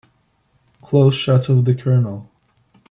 Close shot of the COLONEL.